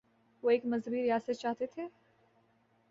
وہ ایک مذہبی ریاست چاہتے تھے؟